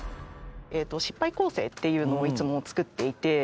失敗構成っていうのをいつも作っていて。